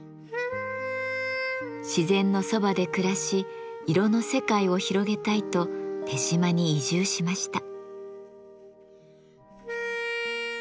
自然のそばで暮らし色の世界を広げたいと豊島に移住しました。